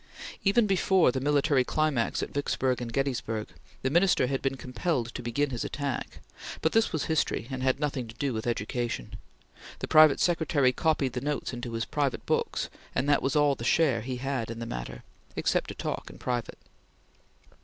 Even before the military climax at Vicksburg and Gettysburg, the Minister had been compelled to begin his attack; but this was history, and had nothing to do with education. The private secretary copied the notes into his private books, and that was all the share he had in the matter, except to talk in private.